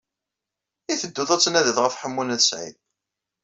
I tedduḍ ad d-tnadiḍ ɣef Ḥemmu n At Sɛid?